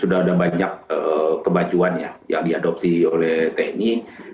sudah ada banyak kebajuan ya yang diadopsi oleh tni